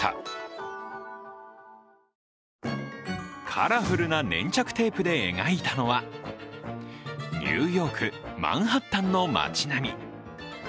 カラフルな粘着テープで描いたのは、ニューヨーク・マンハッタンの街並み。